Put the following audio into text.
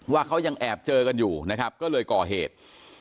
ว่าเขายังแอบเจอกันอยู่นะครับก็เลยก่อเหตุ